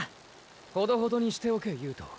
ほどほどにしておけ悠人。